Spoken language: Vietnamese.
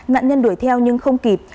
nạn nhân đuổi theo nhưng không kịp